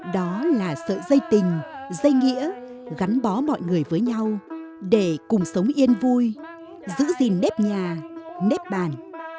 đó là sợi dây tình dây nghĩa gắn bó mọi người với nhau để cùng sống yên vui giữ gìn nếp nhà nếp bàn